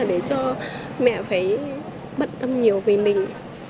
để cho mẹ phải bận tâm nhiều về mình